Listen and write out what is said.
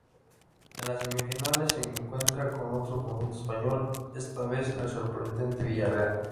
En las Semifinales se encuentra con otro conjunto español, esta vez el sorprendente Villarreal.